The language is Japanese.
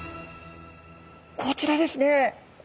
こちらですね！